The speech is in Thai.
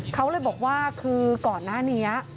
เขาเลยบอกว่าคือก่อนหน้านี้